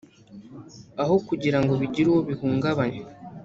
aho kugira ngo bigire uwo bihungabanya